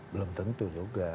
belum tentu juga